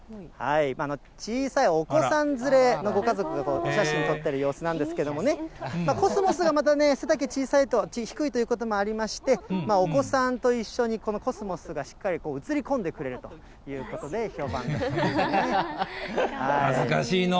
小さいお子さん連れのご家族がお写真撮ってる様子なんですけどもね、コスモスがまたね、背丈、低いということもありまして、お子さんと一緒にこのコスモスがしっかり写り込んでくれるという恥ずかしいの。